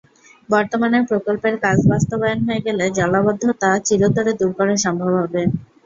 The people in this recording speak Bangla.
বর্তমানে প্রকল্পের কাজ বাস্তবায়ন হয়ে গেলে জলাবদ্ধতা চিরতরে দূর করা সম্ভব হবে।